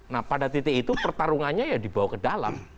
nah pada titik itu pertarungannya ya dibawa ke dalam